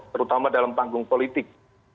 terutama dalam panggung politik